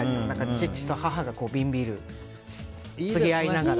父と母が瓶ビールをつぎ合いながら。